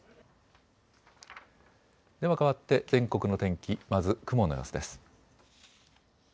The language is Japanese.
ではかわって全国の天気、まず雲の様子です。